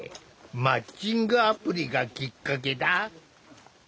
マッチングアプリがきっかけだ。